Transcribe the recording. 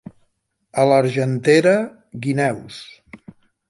A l'Argentera, guineus.